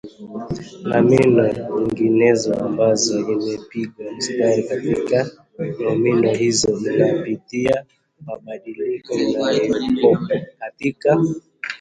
nomino nyinginezo ambayo imepigiwa mstari katika nomino hizi inapitia mabadiliko inapokopwa katika